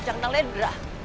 jangan nalain berah